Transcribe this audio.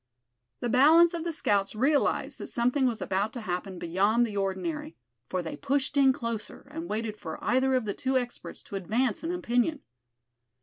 The balance of the scouts realized that something was about to happen beyond the ordinary: for they pushed in closer, and waited for either of the two experts to advance an opinion.